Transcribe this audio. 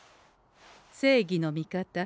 正義の味方